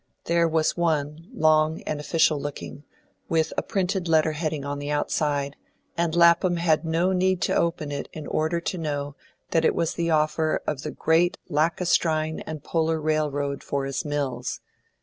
There was one, long and official looking, with a printed letter heading on the outside, and Lapham had no need to open it in order to know that it was the offer of the Great Lacustrine & Polar Railroad for his mills.